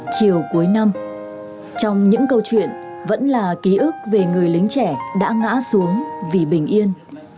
chiều cuối năm trong những câu chuyện vẫn là ký ức về người lính trẻ đã ngã xuống vì bình yên